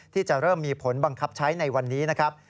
ที่จะเริ่มมีผลบังคับใช้ในวันนี้นะครับ